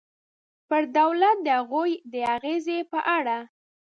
پر دولت د هغوی د اغېزې په اړه.